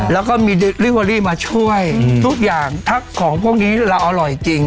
แล้วก็มีลิเวอรี่มาช่วยทุกอย่างถ้าของพวกนี้เราอร่อยจริง